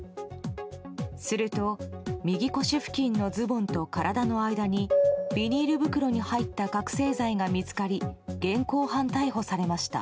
すると、右腰付近のズボンと体の間にビニール袋に入った覚醒剤が見つかり現行犯逮捕されました。